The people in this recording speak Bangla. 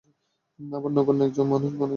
আবার নগণ্য এক মানুষ বনে গেলাম।